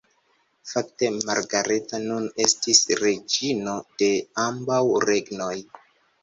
Fakte Margareta nun estis reĝino de ambaŭ regnoj.